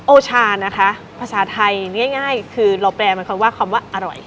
โอชานะคะภาษาไทยง่ายคือเราแปลเหมือนคำว่าคำว่าอร่อย